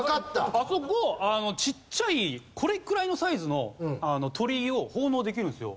あそこちっちゃいこれくらいのサイズの鳥居を奉納できるんですよ。